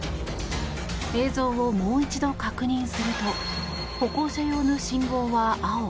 映像をもう一度確認すると歩行者用の信号は青。